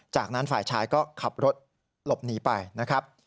จากนั้นฝ่ายชายก็ขับรถหลบหนีไปนะครับ